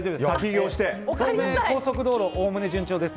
東名高速道路おおむね順調です。